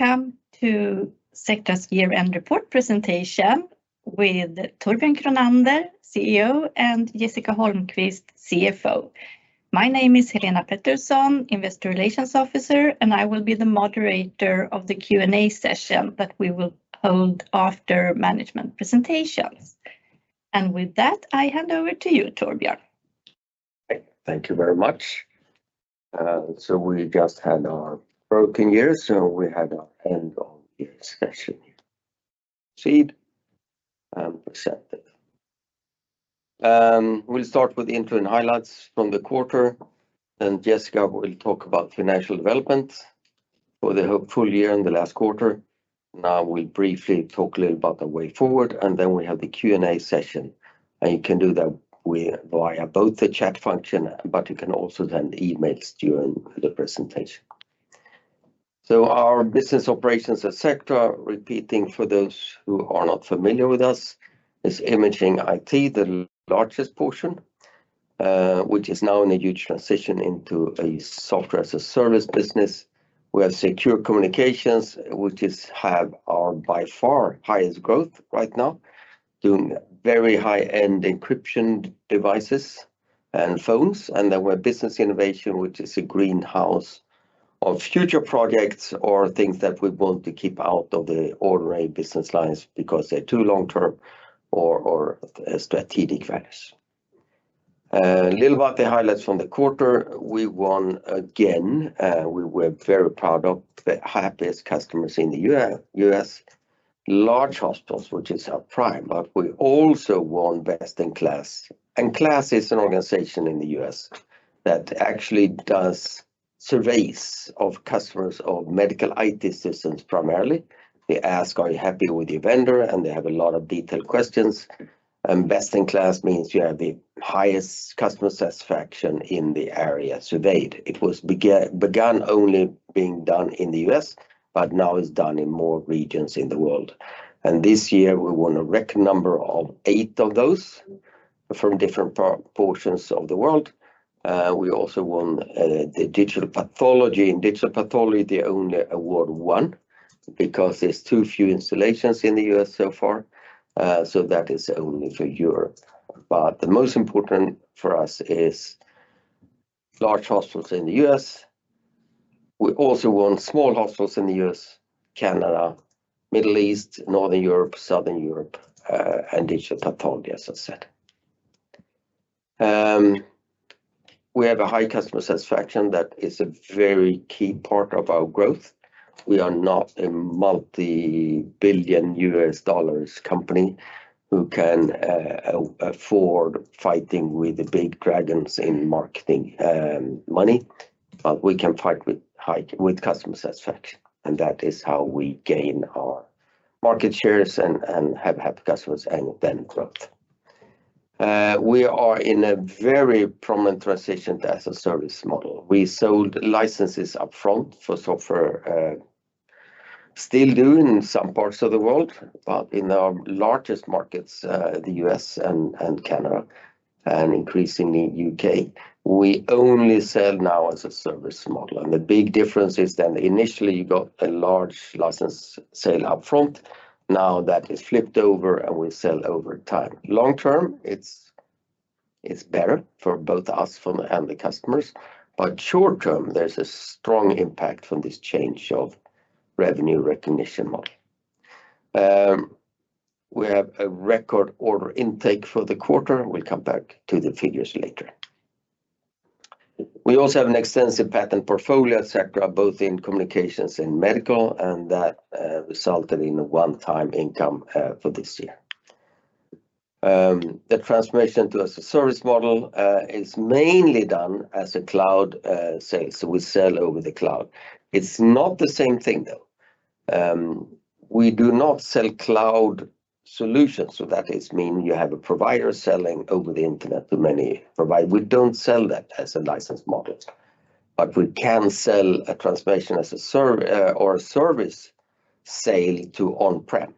Welcome to SECTRA's year-end report presentation with Torbjörn Kronander, CEO, and Jessica Holmquist, CFO. My name is Helena Pettersson, Investor Relations Officer, and I will be the moderator of the Q&A session that we will hold after management presentations. With that, I hand over to you, Torbjörn. Thank you very much. We just had our working years, so we had our end-of-year session proceed. We'll start with the interim highlights from the quarter, and Jessica will talk about financial development for the full year and the last quarter. Now we'll briefly talk a little about the way forward, and then we have the Q&A session. You can do that via both the chat function, but you can also send emails during the presentation. Our business operations at SECTRA, repeating for those who are not familiar with us, is Imaging IT, the largest portion, which is now in a huge transition into a software-as-a-service business. We have secure communications, which is our by far highest growth right now, doing very high-end encryption devices and phones. We have business innovation, which is a greenhouse of future projects or things that we want to keep out of the ordinary business lines because they're too long-term or strategic values. A little about the highlights from the quarter. We won again. We were very proud of the happiest customers in the U.S., large hospitals, which is our prime. We also won best in KLAS. KLAS is an organization in the U.S. that actually does surveys of customers of medical IT systems primarily. They ask, "Are you happy with your vendor?" They have a lot of detailed questions. Best in class means you have the highest customer satisfaction in the area surveyed. It was begun only being done in the U.S., but now it's done in more regions in the world. This year, we won a record number of eight of those from different portions of the world. We also won Digital Pathology, they only award one because there are too few installations in the U.S. so far. That is only for Europe. The most important for us is large hospitals in the U.S. We also won small hospitals in the U.S., Canada, Middle East, Northern Europe, Southern Europe, Digital Pathology, as I said. We have a high customer satisfaction. That is a very key part of our growth. We are not a multi-billion dollar U.S. company who can afford fighting with the big dragons in marketing money, but we can fight with customer satisfaction. That is how we gain our market shares and have happy customers and then growth. We are in a very prominent transition to as-a-service model. We sold licenses upfront for software, still doing in some parts of the world, but in our largest markets, the U.S. and Canada and increasingly the U.K., we only sell now as-a-service model. The big difference is then initially you got a large license sale upfront. Now that is flipped over and we sell over time. Long term, it's better for both us and the customers. Short term, there's a strong impact from this change of revenue recognition model. We have a record order intake for the quarter. We'll come back to the figures later. We also have an extensive patent portfolio at SECTRA, both in communications and medical, and that resulted in a one-time income for this year. The transformation to as-a-service model is mainly done as a cloud sale. We sell over the cloud. It's not the same thing, though. We do not sell cloud solutions. That means you have a provider selling over the internet to many providers. We do not sell that as a license model. We can sell a transformation as a service or a service sale to on-prem,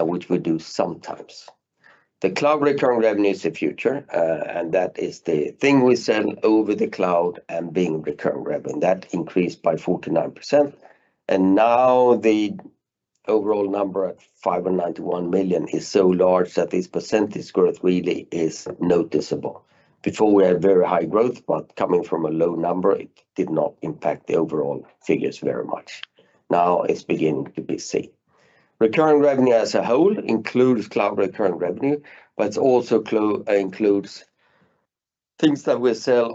which we do sometimes. The cloud recurring revenue is the future, and that is the thing we sell over the cloud and being recurring revenue. That increased by 49%. Now the overall number at 591 million is so large that this percentage growth really is noticeable. Before, we had very high growth, but coming from a low number, it did not impact the overall figures very much. Now it is beginning to be seen. Recurring revenue as a whole includes cloud recurring revenue, but it also includes things that we sell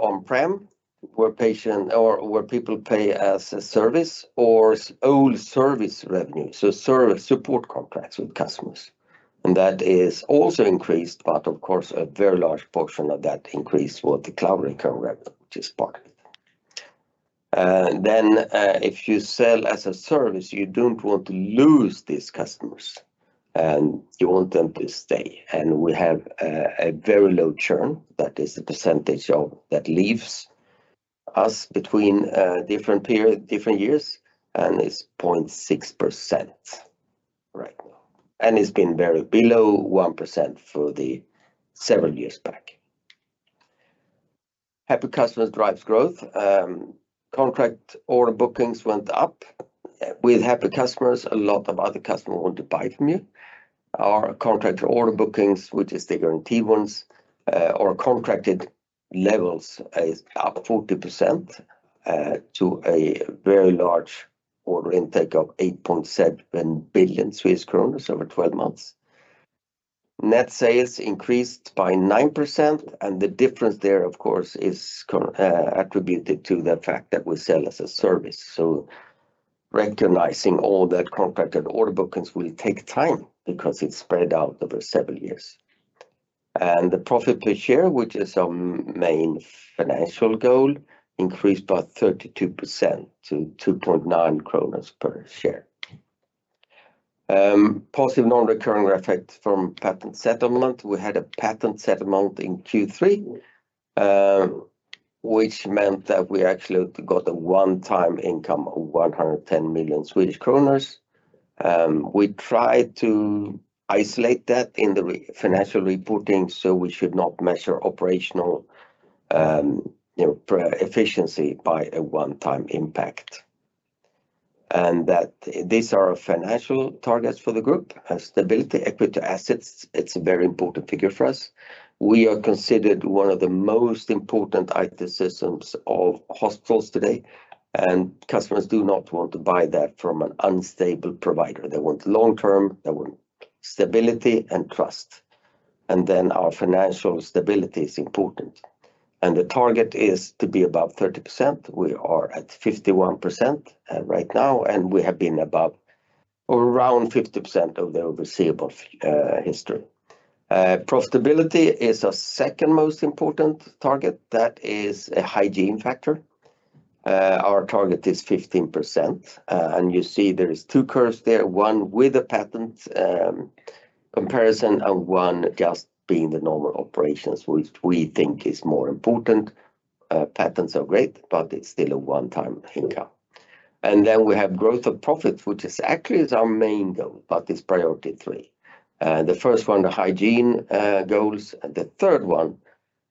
on-prem, where people pay as a service, or old service revenue, so service support contracts with customers. That has also increased, of course, a very large portion of that increased with the cloud recurring revenue, which is part of it. If you sell as a service, you do not want to lose these customers. You want them to stay. We have a very low churn. That is the percentage that leaves us between different years, and it is 0.6% right now. It has been very below 1% for several years back. Happy customers drives growth. Contract order bookings went up. With happy customers, a lot of other customers want to buy from you. Our contract order bookings, which are the guaranteed ones, or contracted levels, is up 40% to a very large order intake of 8.7 billion kronor over 12 months. Net sales increased by 9%. The difference there, of course, is attributed to the fact that we sell as a service. Recognizing all the contracted order bookings will take time because it is spread out over several years. The profit per share, which is our main financial goal, increased by 32% to 2.9 kronor per share. Positive non-recurring effects from patent settlement. We had a patent settlement in Q3, which meant that we actually got a one-time income of 110 million Swedish kronor. We tried to isolate that in the financial reporting so we should not measure operational efficiency by a one-time impact. These are our financial targets for the group. Stability, equity assets, it's a very important figure for us. We are considered one of the most important IT systems of hospitals today. Customers do not want to buy that from an unstable provider. They want long-term, they want stability and trust. Our financial stability is important. The target is to be above 30%. We are at 51% right now, and we have been above around 50% of the overseeable history. Profitability is our second most important target. That is a hygiene factor. Our target is 15%. You see there are two curves there, one with a patent comparison and one just being the normal operations, which we think is more important. Patents are great, but it's still a one-time income. We have growth of profits, which actually is our main goal, but it's priority three. The first one, the hygiene goals. The third one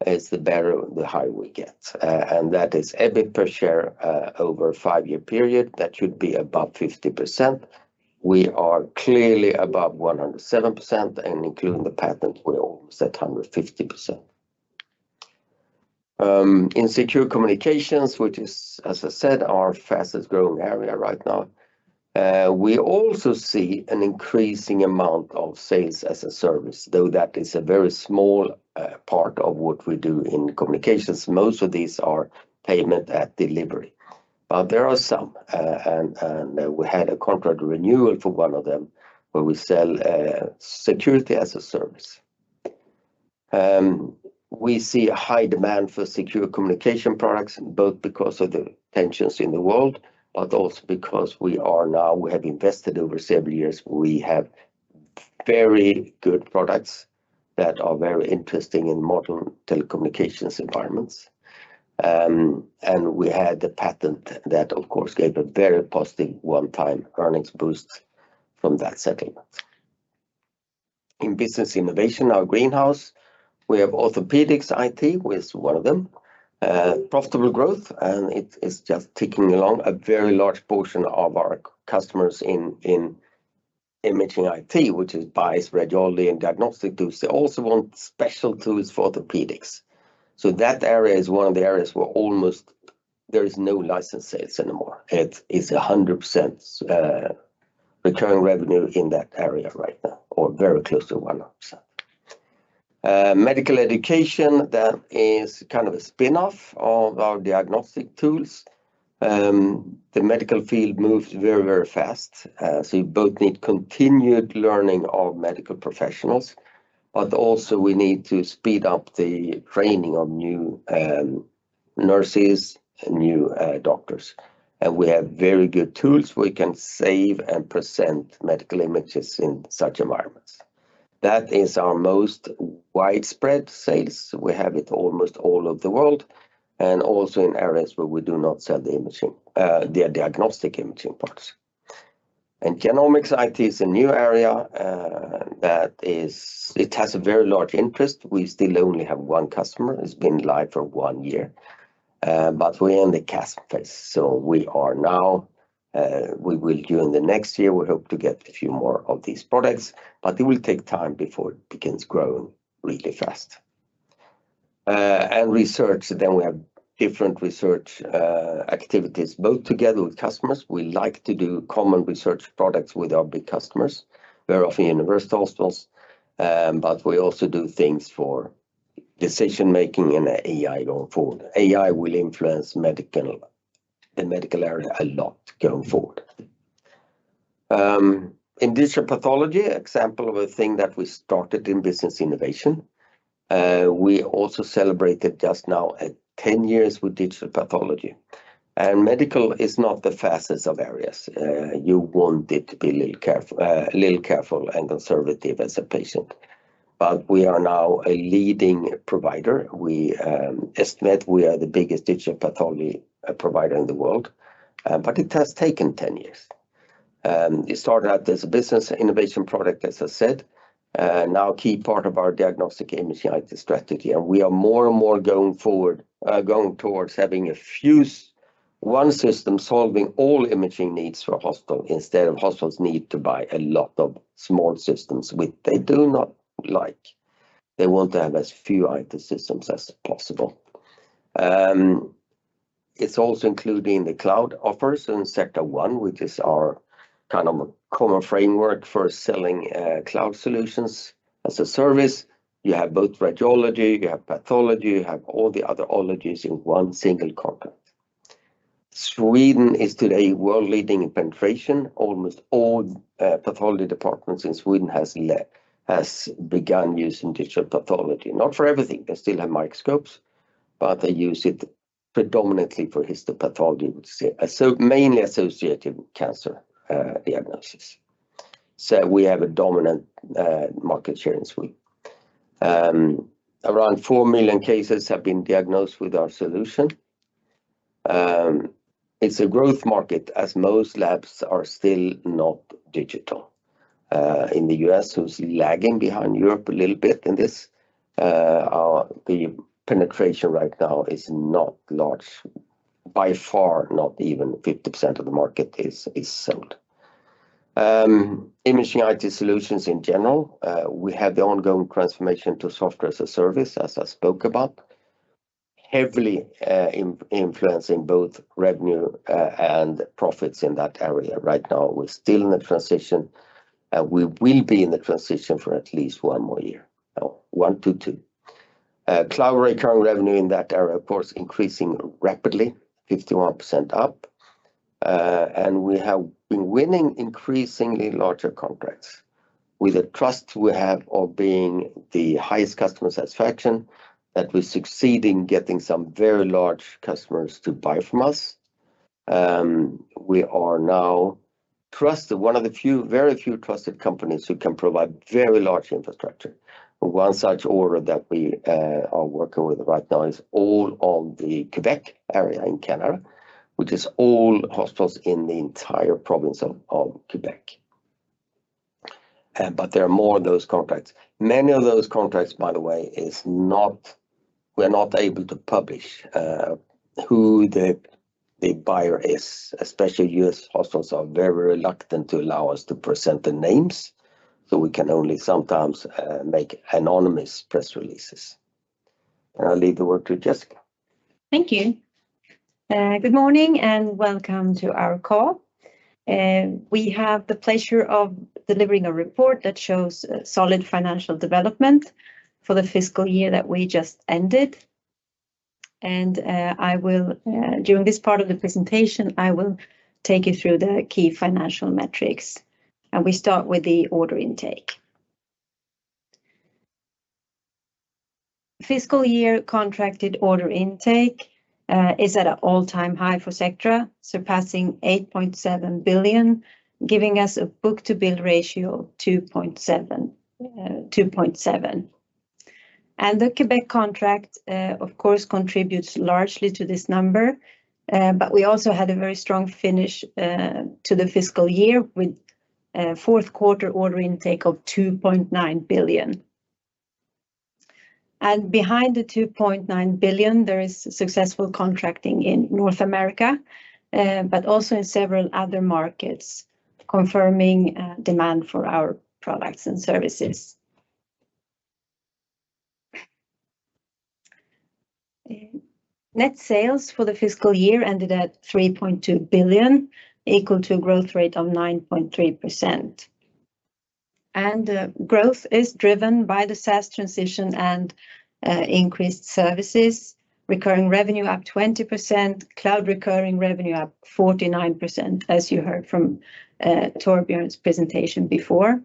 is the barrier the higher we get. That is EBIT per share over a five-year period. That should be above 50%. We are clearly above 107%. Including the patents, we are almost at 150%. In Secure Communications, which is, as I said, our fastest growing area right now, we also see an increasing amount of sales as a service, though that is a very small part of what we do in communications. Most of these are payment at delivery. There are some. We had a contract renewal for one of them where we sell security as a service. We see a high demand for Secure Communication products, both because of the tensions in the world and because we are now, we have invested over several years. We have very good products that are very interesting in modern telecommunications environments. We had the patent that, of course, gave a very positive one-time earnings boost from that settlement. In Business Innovation, our greenhouse, we have Orthopedics IT, which is one of them. Profitable growth, and it is just ticking along. A very large portion of our customers in Imaging IT, which is bias, radiology, and diagnostic tools, they also want special tools for orthopedics. That area is one of the areas where almost there is no license sales anymore. It is 100% recurring revenue in that area right now, or very close to 100%. Medical Education, that is kind of a spinoff of our diagnostic tools. The medical field moved very, very fast. You both need continued learning of medical professionals, but also we need to speed up the training of new nurses and new doctors. We have very good tools where we can save and present medical images in such environments. That is our most widespread sales. We have it almost all over the world, and also in areas where we do not sell the diagnostic imaging parts. Genomics IT is a new area. It has a very large interest. We still only have one customer. It has been live for one year, but we are in the CASM phase. We are now, during the next year, hoping to get a few more of these products, but it will take time before it begins growing really fast. Research, then we have different research activities both together with customers. We like to do common research products with our big customers, very often university hospitals, but we also do things for decision-making and AI going forward. AI will influence the medical area a lot going forward. In Digital Pathology, an example of a thing that we started in Business Innovation, we also celebrated just now at 10 years with Digital Pathology. Medical is not the fastest of areas. You want it to be a little careful and conservative as a patient. We are now a leading provider. We estimate we are the biggest Digital Pathology provider in the world, but it has taken 10 years. It started out as a Business Innovation product, as I said, now a key part of our diagnostic Imaging IT strategy. We are more and more going towards having one system solving all imaging needs for hospital instead of hospitals needing to buy a lot of small systems, which they do not like. They want to have as few IT systems as possible. It's also included in the cloud offers in Sectra One, which is our kind of a common framework for selling cloud solutions as a service. You have both radiology, you have pathology, you have all the other ologies in one single contract. Sweden is today world-leading in penetration. Almost all pathology departments in Sweden have begun using Digital Pathology. Not for everything. They still have microscopes, but they use it predominantly for histopathology, so mainly associated with cancer diagnosis. We have a dominant market share in Sweden. Around four million cases have been diagnosed with our solution. It's a growth market as most labs are still not digital. In the U.S., who's lagging behind Europe a little bit in this, the penetration right now is not large. By far, not even 50% of the market is sold. Imaging IT solutions in general, we have the ongoing transformation to software as a service, as I spoke about, heavily influencing both revenue and profits in that area. Right now, we're still in the transition, and we will be in the transition for at least one more year, one to two. Cloud recurring revenue in that area, of course, increasing rapidly, 51% up. We have been winning increasingly larger contracts. With the trust we have of being the highest customer satisfaction, that we succeed in getting some very large customers to buy from us. We are now trusted, one of the very few trusted companies who can provide very large infrastructure. One such order that we are working with right now is all of the Quebec area in Canada, which is all hospitals in the entire province of Quebec. There are more of those contracts. Many of those contracts, by the way, we're not able to publish who the buyer is. Especially U.S. hospitals are very reluctant to allow us to present the names. So we can only sometimes make anonymous press releases. And I'll leave the word to Jessica. Thank you. Good morning and welcome to our call. We have the pleasure of delivering a report that shows solid financial development for the fiscal year that we just ended. During this part of the presentation, I will take you through the key financial metrics. We start with the order intake. Fiscal year contracted order intake is at an all-time high for SECTRA, surpassing 8.7 billion, giving us a book-to-bill ratio of 2.7. The Quebec contract, of course, contributes largely to this number. We also had a very strong finish to the fiscal year with fourth quarter order intake of 2.9 billion. Behind the 2.9 billion, there is successful contracting in North America, but also in several other markets, confirming demand for our products and services. Net sales for the fiscal year ended at 3.2 billion, equal to a growth rate of 9.3%. Growth is driven by the SaaS transition and increased services, recurring revenue up 20%, cloud recurring revenue up 49%, as you heard from Torbjörn's presentation before.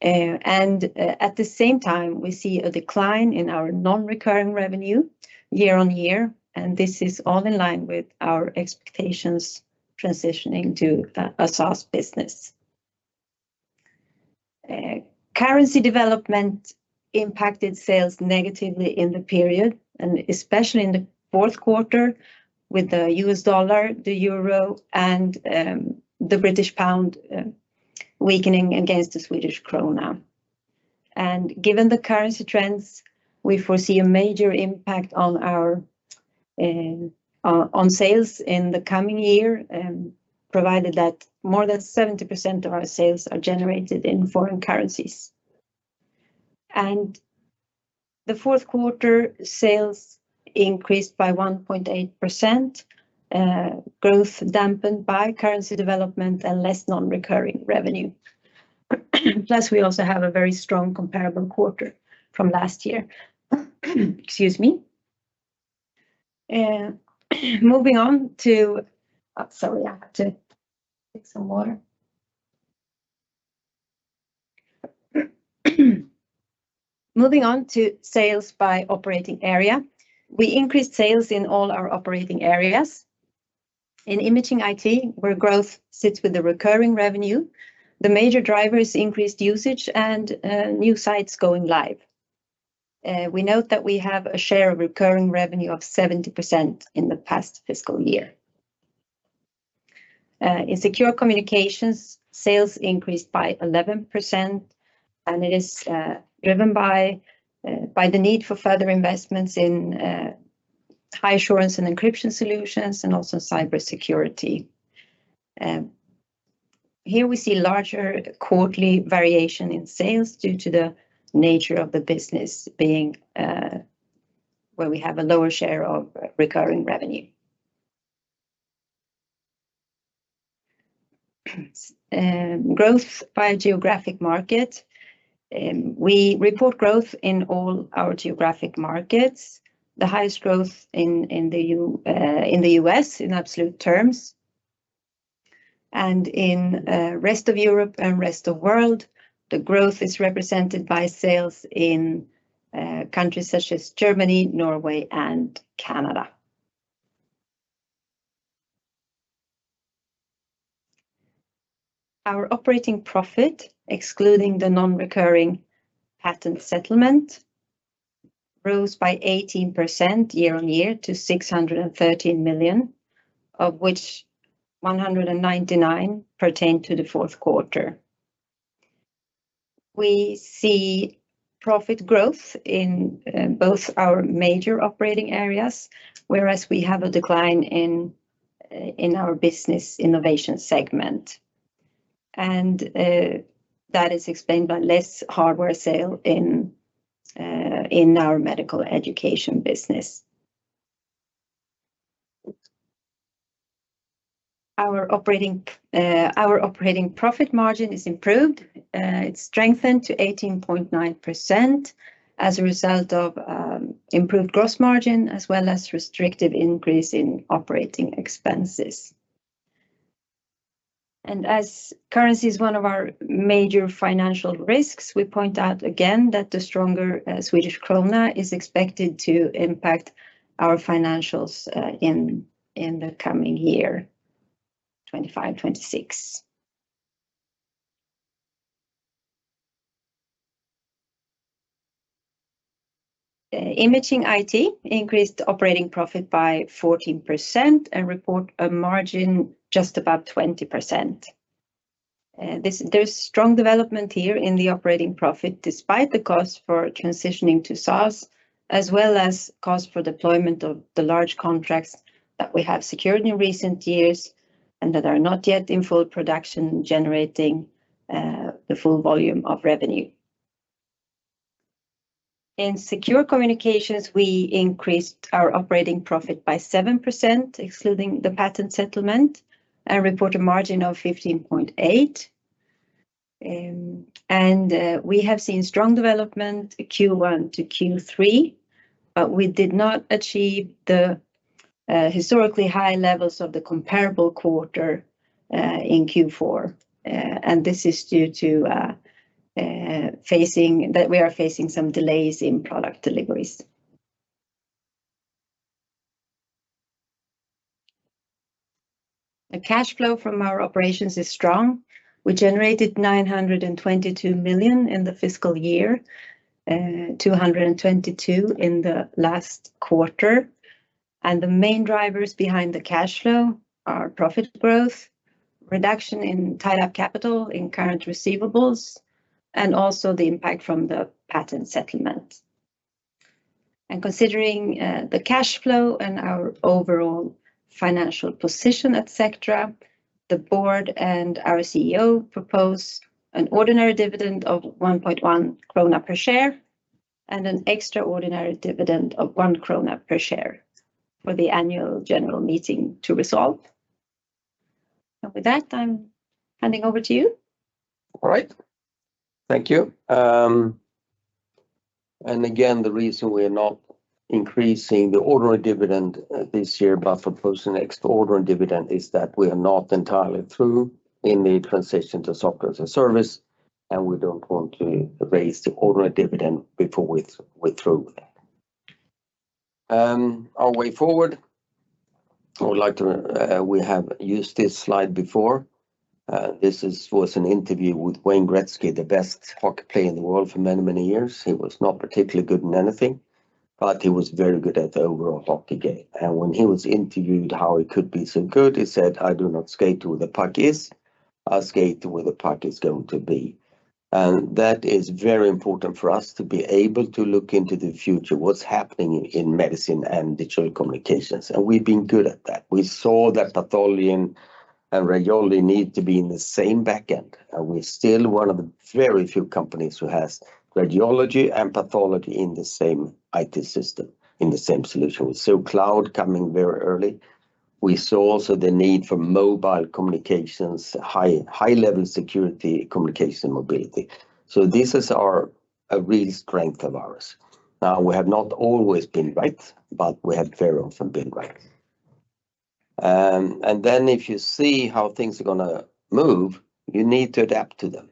At the same time, we see a decline in our non-recurring revenue year on year. This is all in line with our expectations transitioning to a SaaS business. Currency development impacted sales negatively in the period, especially in the fourth quarter with the U.S. dollar, the euro, and the British pound weakening against the Swedish krona. Given the currency trends, we foresee a major impact on sales in the coming year, provided that more than 70% of our sales are generated in foreign currencies. The fourth quarter sales increased by 1.8%, growth dampened by currency development and less non-recurring revenue. Plus, we also have a very strong comparable quarter from last year. Excuse me. Moving on to, sorry, I have to take some water. Moving on to sales by operating area. We increased sales in all our operating areas. In Imaging IT, where growth sits with the recurring revenue, the major driver is increased usage and new sites going live. We note that we have a share of recurring revenue of 70% in the past fiscal year. In Secure Communications, sales increased by 11%, and it is driven by the need for further investments in high assurance and encryption solutions and also cybersecurity. Here we see larger quarterly variation in sales due to the nature of the business where we have a lower share of recurring revenue. Growth by geographic market. We report growth in all our geographic markets, the highest growth in the U.S. in absolute terms. In the rest of Europe and the rest of the world, the growth is represented by sales in countries such as Germany, Norway, and Canada. Our operating profit, excluding the non-recurring patent settlement, rose by 18% year on year to 613 million, of which 199 million pertained to the fourth quarter. We see profit growth in both our major operating areas, whereas we have a decline in our Business Innovation segment. That is explained by less hardware sale in our Medical Education business. Our operating profit margin is improved. It is strengthened to 18.9% as a result of improved gross margin as well as restrictive increase in operating expenses. As currency is one of our major financial risks, we point out again that the stronger Swedish krona is expected to impact our financials in the coming year, 2025-2026. Imaging IT increased operating profit by 14% and reported a margin just above 20%. There is strong development here in the operating profit despite the cost for transitioning to SaaS, as well as cost for deployment of the large contracts that we have secured in recent years and that are not yet in full production generating the full volume of revenue. In Secure Communications, we increased our operating profit by 7%, excluding the patent settlement, and reported a margin of 15.8%. We have seen strong development Q1 to Q3, but we did not achieve the historically high levels of the comparable quarter in Q4. This is due to the fact that we are facing some delays in product deliveries. The cash flow from our operations is strong. We generated 922 million in the fiscal year, 222 million in the last quarter. The main drivers behind the cash flow are profit growth, reduction in tied-up capital in current receivables, and also the impact from the patent settlement. Considering the cash flow and our overall financial position at SECTRA, the Board and our CEO propose an ordinary dividend of 1.1 krona per share and an extraordinary dividend of 1 krona per share for the annual general meeting to resolve. With that, I'm handing over to you. All right. Thank you. The reason we are not increasing the ordinary dividend this year but proposing extraordinary dividend is that we are not entirely through in the transition to software as a service, and we do not want to raise the ordinary dividend before we are through with it. Our way forward, I would like to, we have used this slide before. This was an interview with Wayne Gretzky, the best hockey player in the world for many, many years. He was not particularly good in anything, but he was very good at the overall hockey game. When he was interviewed how he could be so good, he said, "I do not skate where the puck is. I skate where the puck is going to be." That is very important for us to be able to look into the future, what's happening in medicine and digital communications. We've been good at that. We saw that pathology and radiology need to be in the same backend. We're still one of the very few companies who has radiology and pathology in the same IT system, in the same solution. We saw cloud coming very early. We saw also the need for mobile communications, high-level security communication mobility. This is a real strength of ours. We have not always been right, but we have very often been right. If you see how things are going to move, you need to adapt to them.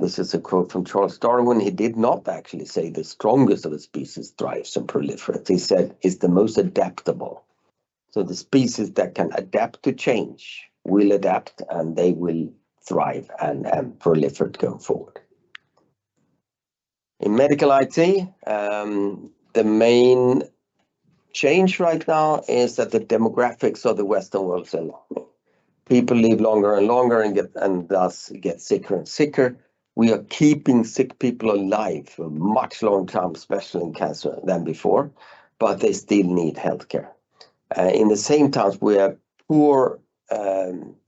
This is a quote from Charles Darwin. He did not actually say the strongest of the species thrives and proliferates. He said it's the most adaptable. So the species that can adapt to change will adapt, and they will thrive and proliferate going forward. In medical IT, the main change right now is that the demographics of the Western world are [alarming]. People live longer and longer and thus get sicker and sicker. We are keeping sick people alive for a much longer time, especially in cancer than before, but they still need healthcare. In the same times, we have poor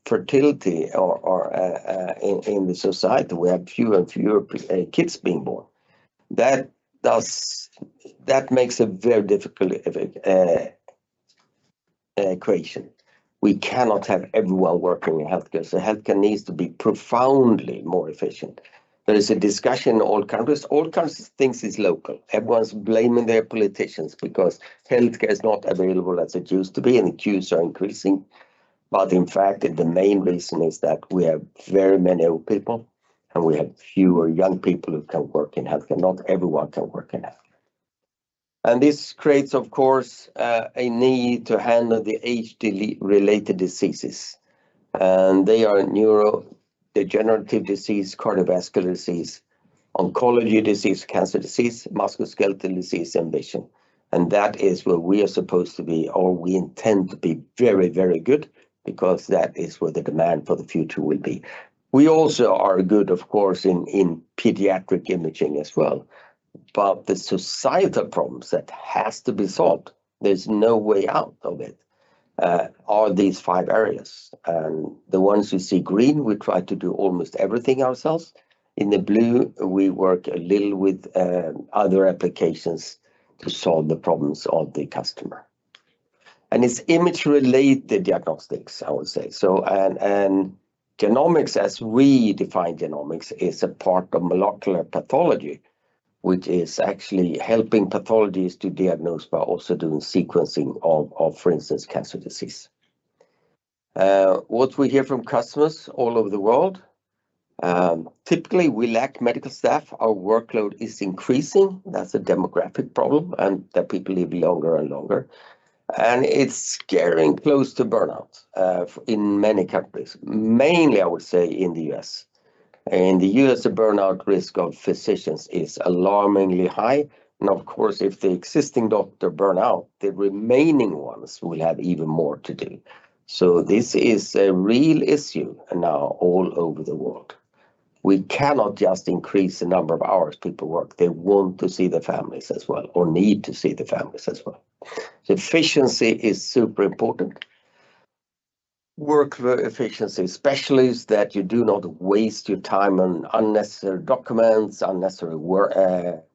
fertility in the society. We have fewer and fewer kids being born. That makes a very difficult equation. We cannot have everyone working in healthcare. So healthcare needs to be profoundly more efficient. There is a discussion in all countries. All countries think it's local. Everyone's blaming their politicians because healthcare is not available as it used to be, and the queues are increasing. In fact, the main reason is that we have very many old people, and we have fewer young people who can work in healthcare. Not everyone can work in healthcare. This creates, of course, a need to handle the age-related diseases. They are neurodegenerative disease, cardiovascular disease, oncology disease, cancer disease, musculoskeletal disease, and vision. That is where we are supposed to be, or we intend to be very, very good because that is where the demand for the future will be. We also are good, of course, in pediatric imaging as well. The societal problems that have to be solved, there's no way out of it, are these five areas. The ones you see green, we try to do almost everything ourselves. In the blue, we work a little with other applications to solve the problems of the customer. And it's image-related diagnostics, I would say. So genomics, as we define genomics, is a part of molecular pathology, which is actually helping pathologists to diagnose by also doing sequencing of, for instance, cancer disease. What we hear from customers all over the world, typically, we lack medical staff. Our workload is increasing. That's a demographic problem, and that people live longer and longer. It's scary, close to burnout in many countries, mainly, I would say, in the U.S. In the U.S., the burnout risk of physicians is alarmingly high. Of course, if the existing doctor burns out, the remaining ones will have even more to do. This is a real issue now all over the world. We cannot just increase the number of hours people work. They want to see the families as well, or need to see the families as well. Efficiency is super important. Work efficiency, especially that you do not waste your time on unnecessary documents, unnecessary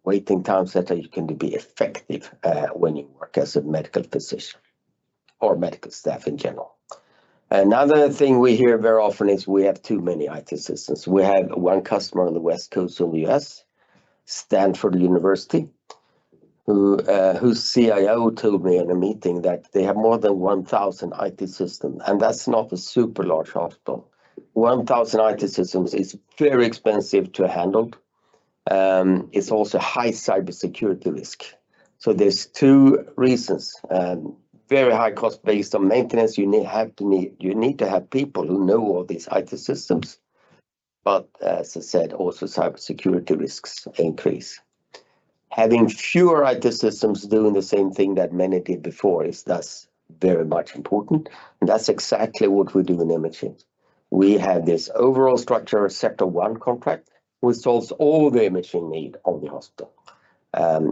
waiting times, so that you can be effective when you work as a medical physician or medical staff in general. Another thing we hear very often is we have too many IT systems. We have one customer on the West Coast of the U.S., Stanford University, whose CIO told me in a meeting that they have more than 1,000 IT systems, and that's not a super large hospital. 1,000 IT systems is very expensive to handle. It is also high cybersecurity risk. There are two reasons. Very high cost based on maintenance. You need to have people who know all these IT systems. As I said, also cybersecurity risks increase. Having fewer IT systems doing the same thing that many did before is thus very much important. That's exactly what we do in imaging. We have this overall structure, a Sectra One contract, which solves all the imaging need of the hospital,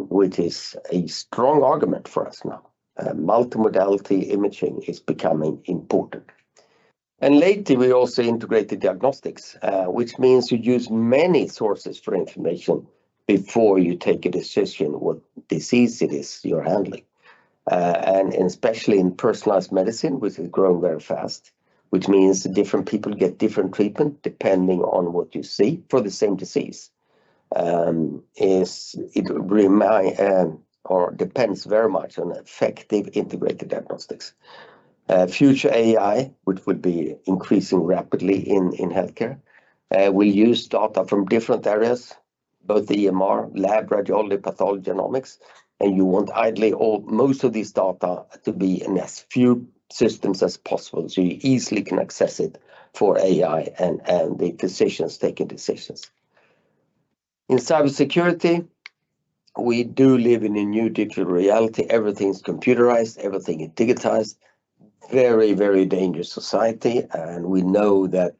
which is a strong argument for us now. Multimodality imaging is becoming important. Lately, we also integrated diagnostics, which means you use many sources for information before you take a decision what disease it is you're handling. Especially in personalized medicine, which is growing very fast, which means different people get different treatment depending on what you see for the same disease, or depends very much on effective integrated diagnostics. Future AI, which would be increasing rapidly in healthcare, will use data from different areas, both EMR, lab, radiology, pathology, genomics. You want ideally most of these data to be in as few systems as possible so you easily can access it for AI and the physicians taking decisions. In cybersecurity, we do live in a new digital reality. Everything's computerized. Everything is digitized. Very, very dangerous society. We know that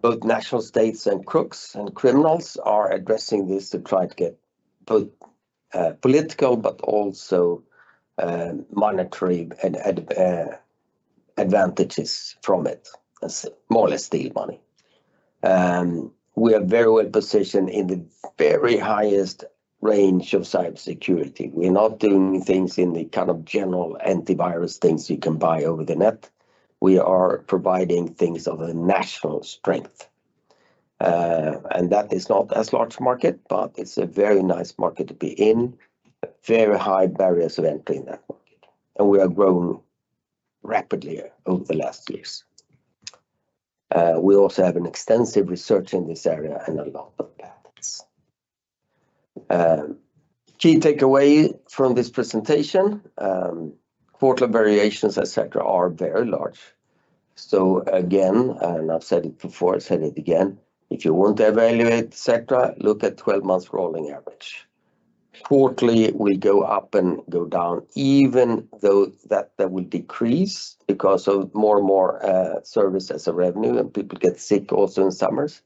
both national states and crooks and criminals are addressing this to try to get both political but also monetary advantages from it, more or less steal money. We are very well positioned in the very highest range of cybersecurity. We're not doing things in the kind of general antivirus things you can buy over the net. We are providing things of a national strength. That is not as large a market, but it's a very nice market to be in, very high barriers of entry in that market. We are growing rapidly over the last years. We also have extensive research in this area and a lot of patents. Key takeaway from this presentation, quarterly variations, etc., are very large. Again, and I've said it before, I'll say it again, if you want to evaluate, etc., look at 12-month rolling average. Quarterly, we go up and go down, even though that will decrease because of more and more service as a revenue, and people get sick also in summers.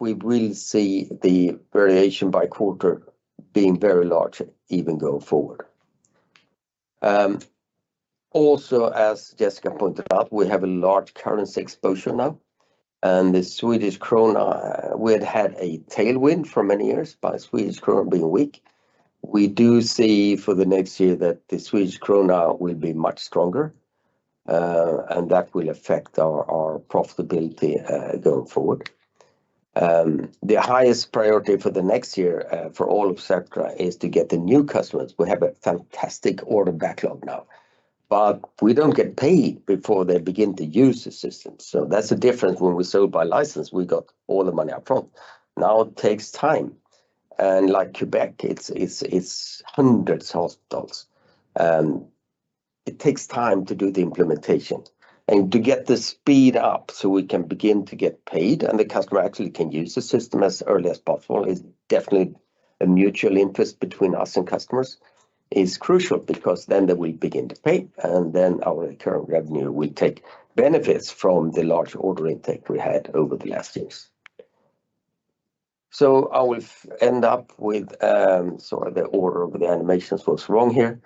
We will see the variation by quarter being very large even going forward. Also, as Jessica pointed out, we have a large currency exposure now. The Swedish krona, we had had a tailwind for many years by Swedish krona being weak. We do see for the next year that the Swedish krona will be much stronger, and that will affect our profitability going forward. The highest priority for the next year for all of SECTRA is to get the new customers. We have a fantastic order backlog now, but we do not get paid before they begin to use the system. That is a difference when we sold by license. We got all the money upfront. Now it takes time. Like Quebec, it is hundreds of dollars. It takes time to do the implementation. To get the speed up so we can begin to get paid and the customer actually can use the system as early as possible is definitely a mutual interest between us and customers. It is crucial because then they will begin to pay, and then our current revenue will take benefits from the large order intake we had over the last years. I will end up with, sorry, the order of the animations was wrong here.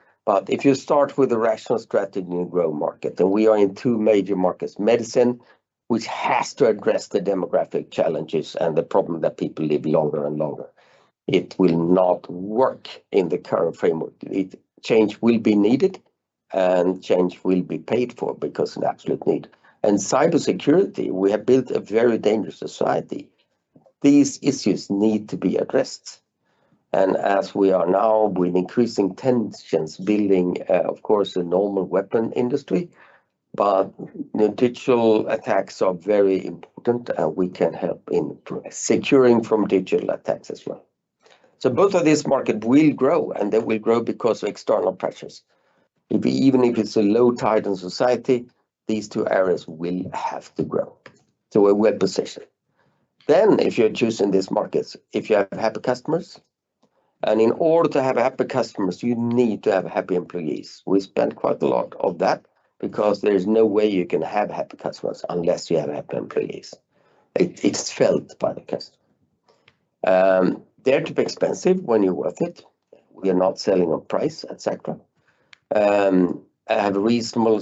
If you start with a rational strategy in the growing market, and we are in two major markets, medicine, which has to address the demographic challenges and the problem that people live longer and longer, it will not work in the current framework. Change will be needed, and change will be paid for because of an absolute need. Cybersecurity, we have built a very dangerous society. These issues need to be addressed. As we are now, with increasing tensions building, of course, a normal weapon industry, but the digital attacks are very important, and we can help in securing from digital attacks as well. Both of these markets will grow, and they will grow because of external pressures. Even if it's a low-title society, these two areas will have to grow. We're well positioned. If you're choosing these markets, if you have happy customers, and in order to have happy customers, you need to have happy employees. We spent quite a lot on that because there's no way you can have happy customers unless you have happy employees. It's felt by the customer. They're too expensive when you're worth it. We are not selling on price, etc. I have a reasonable,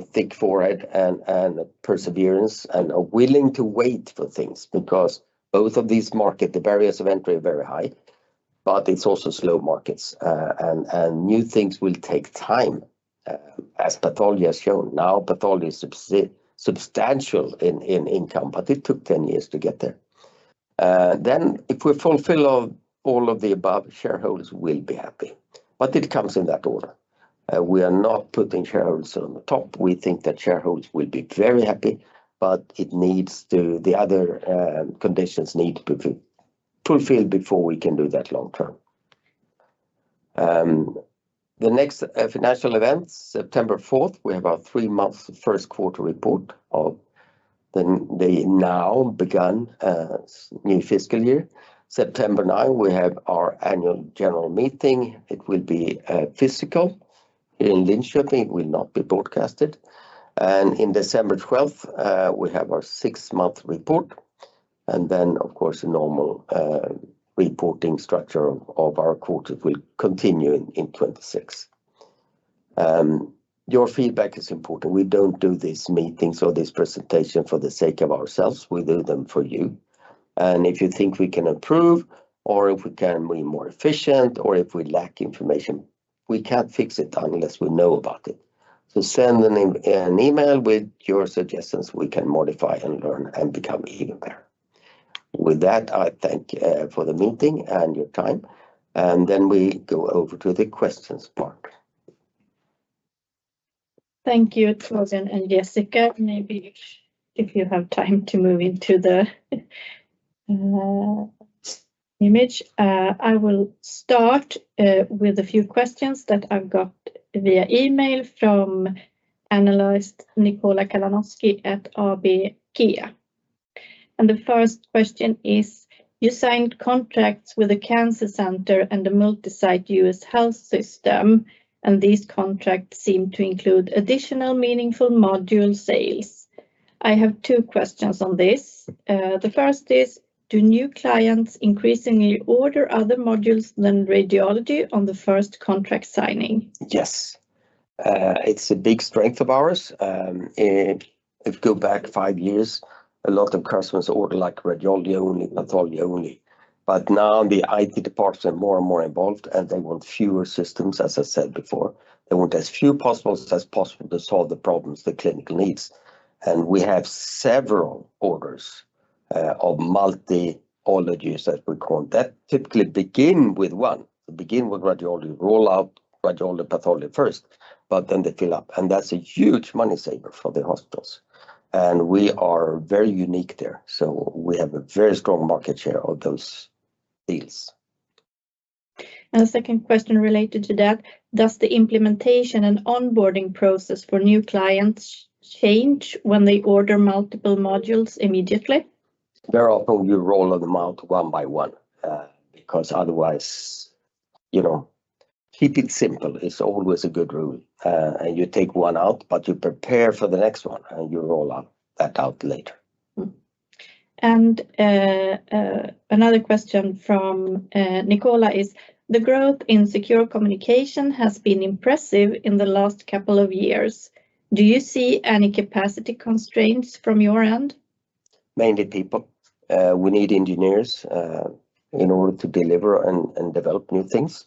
thick forehead and perseverance and are willing to wait for things because both of these markets, the barriers of entry are very high, but it's also slow markets. New things will take time, as pathology has shown. Now, pathology is substantial in income, but it took 10 years to get there. If we fulfill all of the above, shareholders will be happy. It comes in that order. We are not putting shareholders on the top. We think that shareholders will be very happy, but it needs to, the other conditions need to be fulfilled before we can do that long term. The next financial events, September 4, we have our three-month first quarter report of the now begun new fiscal year. September 9, we have our annual general meeting. It will be physical in Linköping. It will not be broadcasted. In December 12, we have our six-month report. Of course, the normal reporting structure of our quarter will continue in 2026. Your feedback is important. We do not do these meetings or these presentations for the sake of ourselves. We do them for you. If you think we can improve, or if we can be more efficient, or if we lack information, we cannot fix it unless we know about it. Send an email with your suggestions. We can modify and learn and become even better. With that, I thank you for the meeting and your time. Then we go over to the questions part. Thank you, Torbjörn and Jessica. Maybe if you have time to move into the image, I will start with a few questions that I've got via email from analyst Nikola Kalinowski at ABG. And the first question is, you signed contracts with a cancer center and a multisite U.S. health system, and these contracts seem to include additional meaningful module sales. I have two questions on this. The first is, do new clients increasingly order other modules than radiology on the first contract signing? Yes. It's a big strength of ours. If you go back five years, a lot of customers order like radiology only, pathology only. Now the IT departments are more and more involved, and they want fewer systems, as I said before. They want as few as possible to solve the problems the clinic needs. We have several orders of multi-ology, as we call that, typically begin with one. They begin with radiology, roll out radiology, pathology first, but then they fill up. That is a huge money saver for the hospitals. We are very unique there. We have a very strong market share of those deals. The second question related to that, does the implementation and onboarding process for new clients change when they order multiple modules immediately? There are people who roll them out one by one because otherwise, keep it simple is always a good rule. You take one out, but you prepare for the next one, and you roll that out later. Another question from Nikola is, the growth in secure communication has been impressive in the last couple of years. Do you see any capacity constraints from your end? Mainly people. We need engineers in order to deliver and develop new things.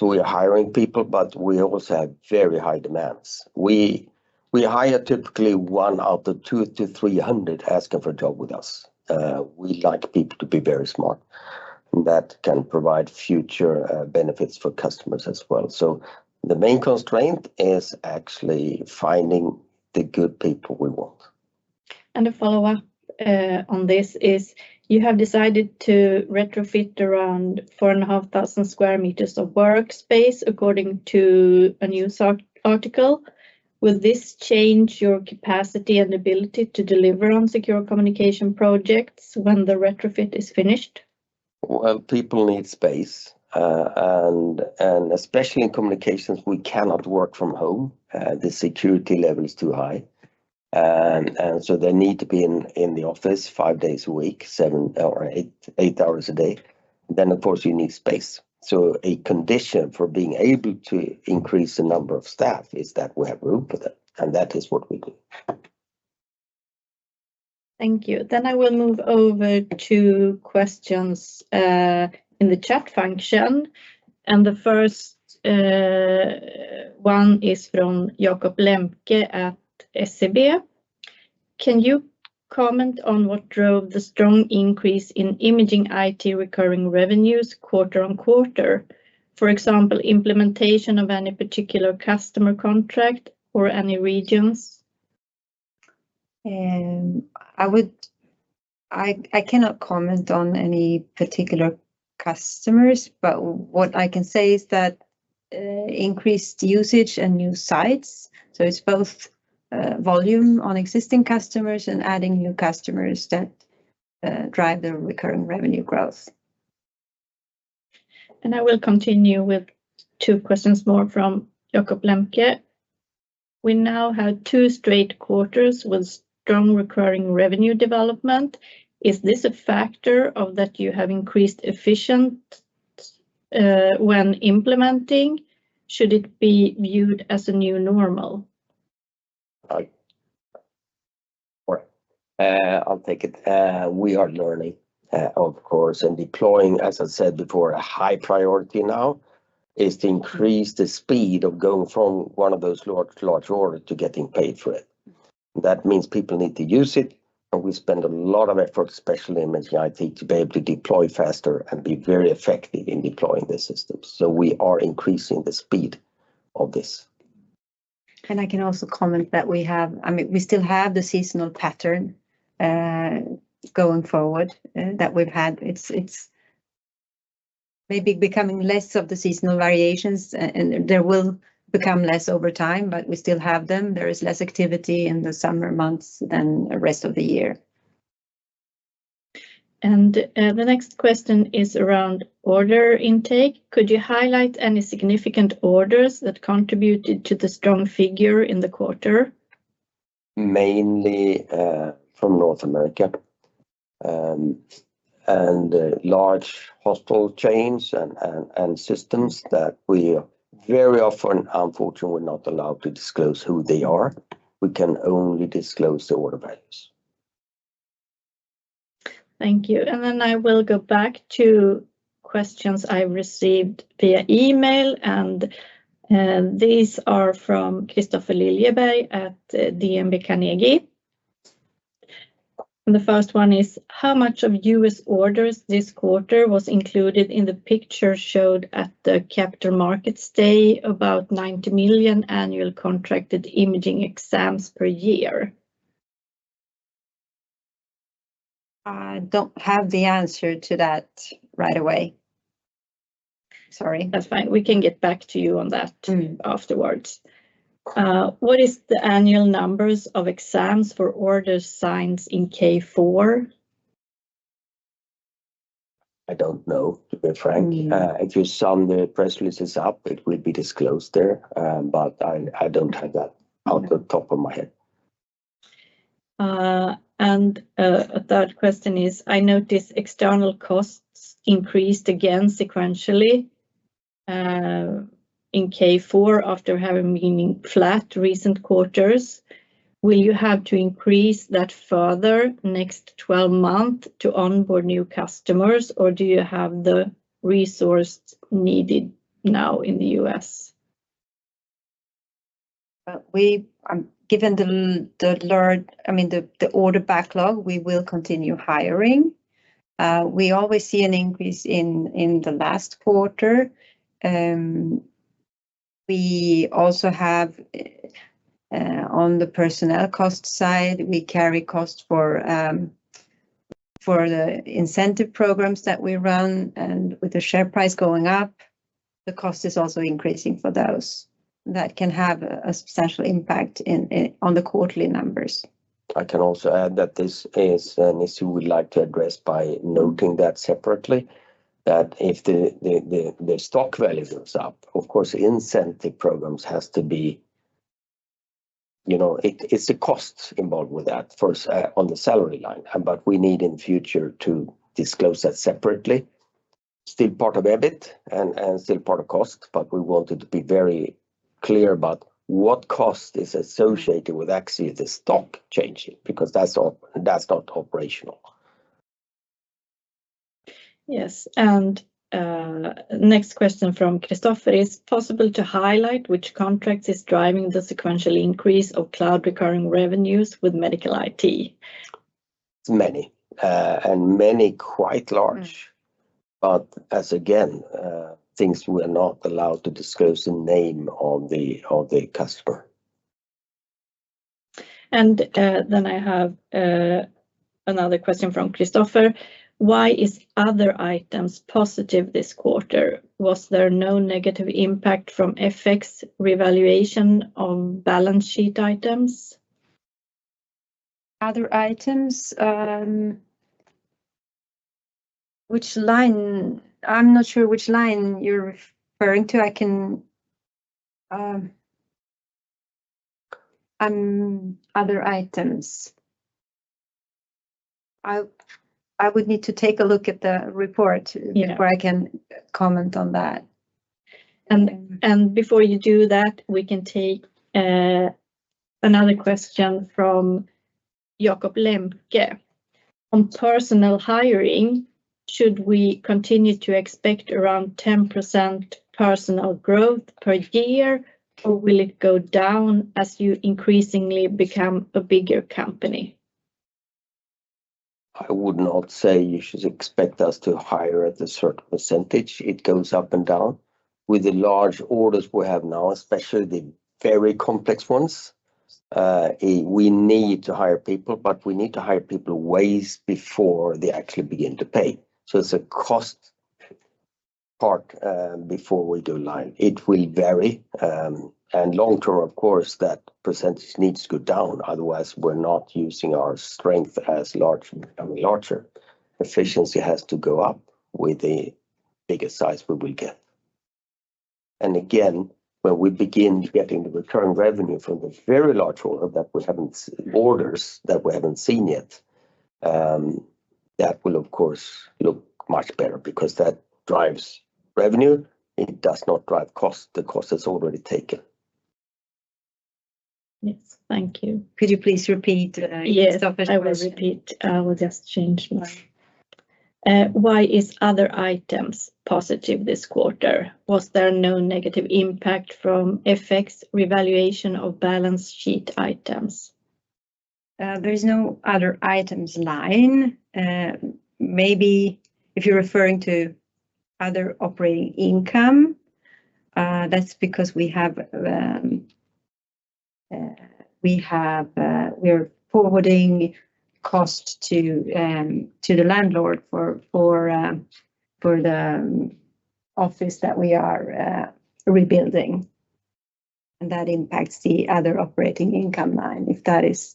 We are hiring people, but we also have very high demands. We hire typically one out of 200-300 asking for a job with us. We like people to be very smart, and that can provide future benefits for customers as well. The main constraint is actually finding the good people we want. A follow-up on this is, you have decided to retrofit around 4,500 sq m of workspace according to a news article. Will this change your capacity and ability to deliver on Secure Communication projects when the retrofit is finished? People need space. Especially in Communications, we cannot work from home. The security level is too high. They need to be in the office five days a week, seven or eight hours a day. Of course, you need space. A condition for being able to increase the number of staff is that we have room for them. That is what we do. Thank you. I will move over to questions in the chat function. The first one is from Jakob Lemke at SEB. Can you comment on what drove the strong increase in imaging IT recurring revenues quarter on quarter? For example, implementation of any particular customer contract or any regions? I cannot comment on any particular customers, but what I can say is that increased usage and new sites, so it is both volume on existing customers and adding new customers that drive the recurring revenue growth. I will continue with two questions more from Jakob Lemke. We now have two straight quarters with strong recurring revenue development. Is this a factor of that you have increased efficient when implementing? Should it be viewed as a new normal? I'll take it. We are learning, of course, and deploying, as I said before, a high priority now is to increase the speed of going from one of those large orders to getting paid for it. That means people need to use it. We spend a lot of effort, especially in Imaging IT, to be able to deploy faster and be very effective in deploying the system. We are increasing the speed of this. I can also comment that we have, I mean, we still have the seasonal pattern going forward that we've had. It's maybe becoming less of the seasonal variations, and there will become less over time, but we still have them. There is less activity in the summer months than the rest of the year. The next question is around order intake. Could you highlight any significant orders that contributed to the strong figure in the quarter? Mainly from North America and large hospital chains and systems that we very often, unfortunately, we're not allowed to disclose who they are. We can only disclose the order values. Thank you. I will go back to questions I received via email. These are from Kristofer Liljeberg at DNB Carnegie. The first one is, how much of U.S. orders this quarter was included in the picture showed at the Capital Markets Day? About 90 million annual contracted imaging exams per year. I do not have the answer to that right away. Sorry. That is fine. We can get back to you on that afterwards. What is the annual numbers of exams for orders signed in Q4? I do not know, to be frank. If you sum the press releases up, it will be disclosed there. But I do not have that out of the top of my head. A third question is, I noticed external costs increased again sequentially in Q4 after having been flat recent quarters. Will you have to increase that further next 12 months to onboard new customers, or do you have the resources needed now in the U.S.? Given the, I mean, the order backlog, we will continue hiring. We always see an increase in the last quarter. We also have, on the personnel cost side, we carry costs for the incentive programs that we run. With the share price going up, the cost is also increasing for those. That can have a substantial impact on the quarterly numbers. I can also add that this is an issue we'd like to address by noting that separately, that if the stock value goes up, of course, incentive programs has to be, it's a cost involved with that first on the salary line. We need in the future to disclose that separately. Still part of EBIT and still part of cost, but we wanted to be very clear about what cost is associated with actually the stock changing because that's not operational. Yes. Next question from Kristofer is, possible to highlight which contract is driving the sequential increase of cloud recurring revenues with medical IT? Many. And many quite large. As again, things we are not allowed to disclose the name of the customer. I have another question from Kristofer. Why is other items positive this quarter? Was there no negative impact from FX revaluation of balance sheet items? Other items? Which line? I'm not sure which line you're referring to. I can, other items. I would need to take a look at the report before I can comment on that. Before you do that, we can take another question from Jakob Lemke. On personal hiring, should we continue to expect around 10% personal growth per year, or will it go down as you increasingly become a bigger company? I would not say you should expect us to hire at a certain %. It goes up and down. With the large orders we have now, especially the very complex ones, we need to hire people, but we need to hire people ways before they actually begin to pay. So it's a cost part before we do line. It will vary. Long term, of course, that % needs to go down. Otherwise, we're not using our strength as large. Efficiency has to go up with the bigger size we will get. Again, when we begin getting the recurring revenue from the very large order that we haven't orders that we haven't seen yet, that will, of course, look much better because that drives revenue. It does not drive cost. The cost has already taken. Yes. Thank you. Could you please repeat, Kristofer? Yes. I will repeat. I will just change mine. Why is other items positive this quarter? Was there no negative impact from FX revaluation of balance sheet items? There is no other items line. Maybe if you're referring to other operating income, that's because we are forwarding cost to the landlord for the office that we are rebuilding. That impacts the other operating income line. If that is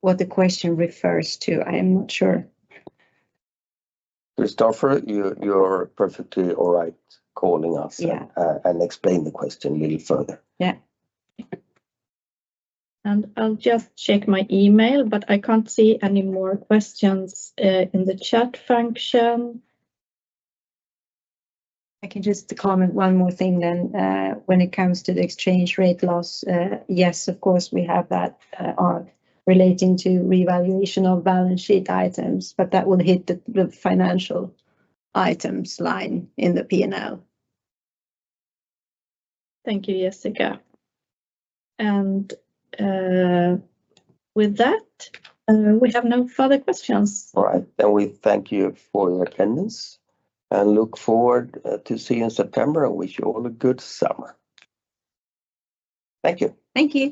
what the question refers to, I am not sure. Kristofer, you're perfectly all right calling us and explaining the question a little further. Yeah. I'll just check my email, but I can't see any more questions in the chat function. I can just comment one more thing then. When it comes to the exchange rate loss, yes, of course, we have that relating to revaluation of balance sheet items, but that will hit the financial items line in the P&L. Thank you, Jessica. With that, we have no further questions. All right. We thank you for your attendance and look forward to seeing you in September. I wish you all a good summer. Thank you. Thank you.